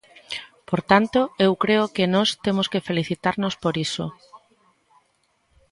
Por tanto, eu creo que nós temos que felicitarnos por iso.